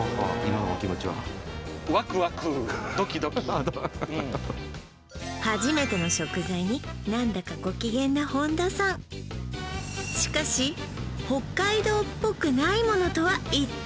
釧路っていう初めての食材に何だかご機嫌な本田さんしかし北海道っぽくないものとは一体？